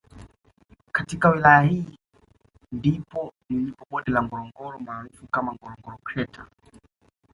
Katika wilaya hii ndipo lilipo bonde la Ngorongoro maarufu kama Ngorongoro kreta